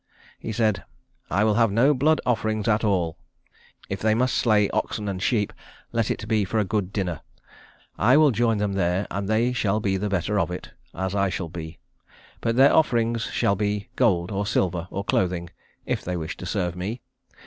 He said, "I will have no blood offerings at all. If they must slay oxen and sheep, let it be for a good dinner. I will join them there and they shall be the better of it, as I shall be. But their offerings shall be gold or silver, or clothing, if they wish to serve me.